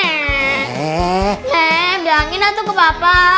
neeeee bilangin aja ke papa